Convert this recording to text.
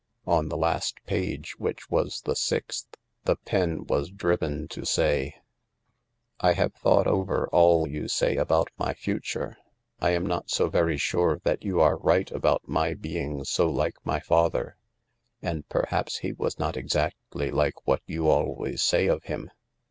On the last page, which was the sixth, the pen was driven to say ; THE LARK 91 " I have thought over all you say about my future. I am not so very sure that you are right about my being so like my father. And perhaps he was not exactly like what you always say of him.